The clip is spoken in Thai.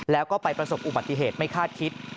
แล้วก็ไปประสบอุบัติเหตุไม่คาดคิด